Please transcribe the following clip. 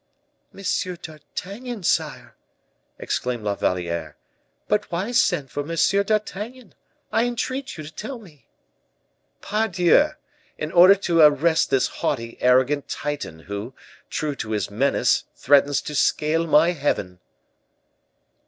"M. d'Artagnan, sire!" exclaimed La Valliere; "but why send for M. d'Artagnan? I entreat you to tell me." "Pardieu! in order to arrest this haughty, arrogant Titan who, true to his menace, threatens to scale my heaven."